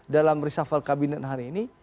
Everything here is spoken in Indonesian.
dalam reshuffle kabinet hari ini